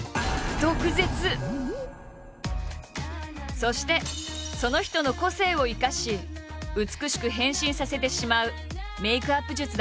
そしてその人の個性を生かし美しく変身させてしまうメイクアップ術だ。